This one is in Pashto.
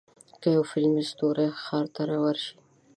که یو فلمي ستوری ښار ته ورشي.